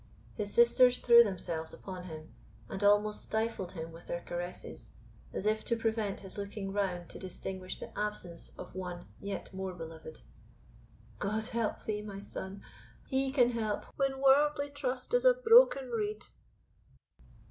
His sisters threw themselves upon him, and almost stifled him with their caresses, as if to prevent his looking round to distinguish the absence of one yet more beloved. "God help thee, my son! He can help when worldly trust is a broken reed."